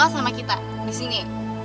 sama kita di sini